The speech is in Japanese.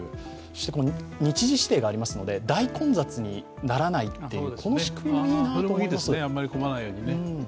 そして日時指定がありますので、大混雑にならないという、この仕組みもいいなと思います。